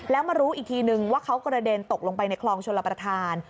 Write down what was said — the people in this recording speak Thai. แล้วมารู้อีกทีนึงว่าเขากระเด็นตกลงไปในคลองชลประธาน